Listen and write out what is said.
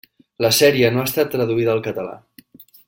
La sèrie no ha estat traduïda al català.